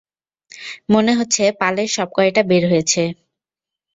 মনে হচ্ছে পালের সবকটা বের হয়েছে।